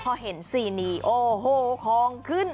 พอเห็นซีนีโอ้โหของขึ้น